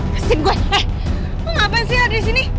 kasih gue eh lo ngapain sih ada di sini